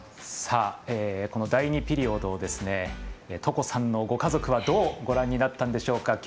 この第２ピリオドを床さんのご家族はどうご覧になったんでしょうか？